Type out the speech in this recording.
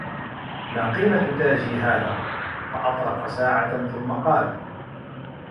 مَا قِيمَةُ تَاجِي هَذَا ؟ فَأَطْرَقَ سَاعَةً ثُمَّ قَالَ